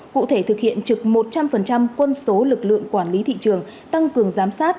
cụ thể thực hiện trực một trăm linh quân số lực lượng quản lý thị trường tăng cường giám sát